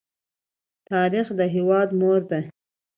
تاریخ د هېواد مور ده.